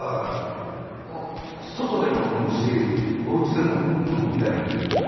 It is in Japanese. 外でも飲むしお家でも飲むんで。